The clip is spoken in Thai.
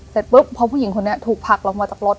เสร็จปุ๊บพอผู้หญิงคนนี้ถูกผลักลงมาจากรถ